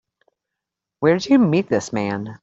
Where'd you meet this man?